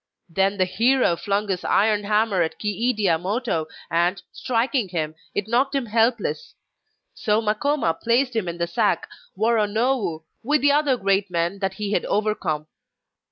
Then the hero flung his iron hammer at Chi idea moto, and, striking him, it knocked him helpless; so Makoma placed him in the sack, Woro nowu, with the other great men that he had overcome.